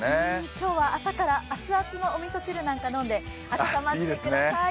今日は朝から熱々のおみそ汁なんか飲んで、温まってください。